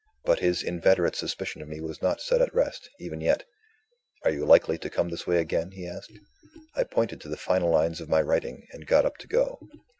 But his inveterate suspicion of me was not set at rest, even yet. "Are you likely to come this way again?" he asked. I pointed to the final lines of my writing, and got up to go.